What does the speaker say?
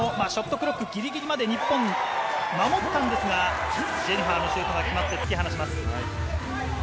クロックぎりぎりまで日本が守ったんですが、ジェニファーのシュートが決まって突き放します。